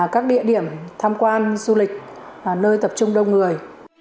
các địa điểm tham quan du lịch nơi tập trung đông người